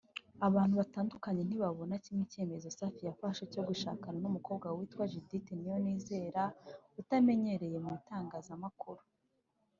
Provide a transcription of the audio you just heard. Abantu batandukanye ntibabona kimwe icyemezo Safi yafashe cyo gushakana n’ umukobwa witwa Judith Niyonizera utamenyerewe mu itanagazamakuru